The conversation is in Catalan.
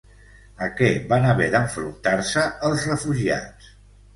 A què van haver d'enfrontar-se els refugiats?